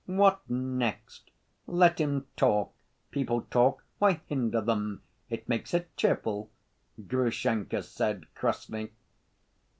"What next! Let him talk! People talk, why hinder them? It makes it cheerful," Grushenka said crossly.